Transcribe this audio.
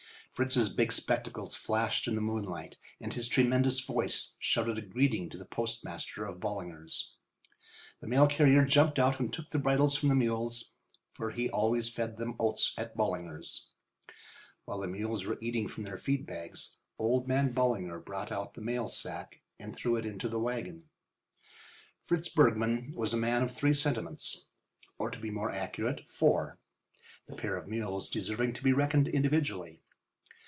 Fritz's big spectacles flashed in the moonlight and his tremendous voice shouted a greeting to the postmaster of Ballinger's. The mail carrier jumped out and took the bridles from the mules, for he always fed them oats at Ballinger's. While the mules were eating from their feed bags old man Ballinger brought out the mail sack and threw it into the wagon. Fritz Bergmann was a man of three sentiments—or to be more accurate— four, the pair of mules deserving to be reckoned individually.